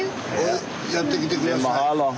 やってきて下さい。